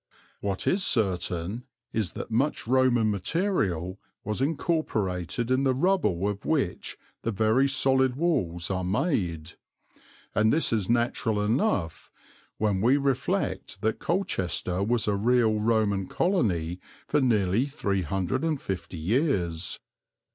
What is certain is that much Roman material was incorporated in the rubble of which the very solid walls are made; and this is natural enough when we reflect that Colchester was a real Roman colony for nearly 350 years.